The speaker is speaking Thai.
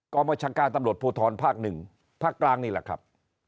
กรรมชาการตำรวจภูทรภาคหนึ่งภาคกลางนี่แหละครับ